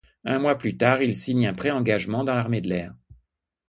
Un mois plus tard, il signe un pré-engagement dans l'armée de l'air.